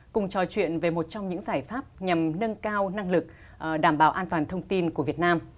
cùng trò chuyện về một trong những giải pháp nhằm nâng cao năng lực đảm bảo an toàn thông tin của việt nam